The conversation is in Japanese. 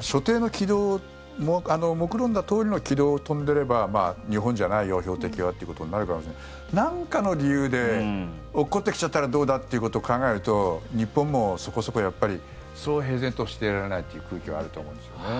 所定の軌道をもくろんだとおりの軌道を飛んでれば日本じゃないよ、標的はってことになるかもしれないけどなんかの理由で落っこってきちゃったらどうだっていうことを考えると日本もそこそこやっぱりそう平然としていられないという空気はあると思うんですよね。